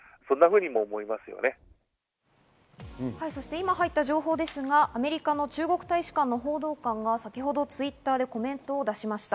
今入った情報ですが、アメリカの中国大使館の報道官が先ほどＴｗｉｔｔｅｒでコメントを出しました。